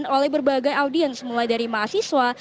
oleh berbagai audiens mulai dari mahasiswa